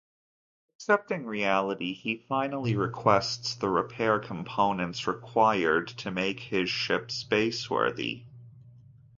Accepting reality, he finally requests the repair components required to make his ship space-worthy.